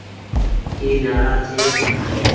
اي نآراز ڇي۔